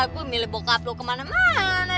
gue milih bokap lu kemana mana